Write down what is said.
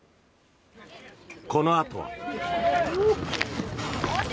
このあとは。